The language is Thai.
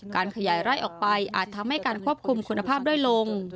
การขยายไร่ออกไปอาจทำให้การควบคุมคุณภาพด้อยลง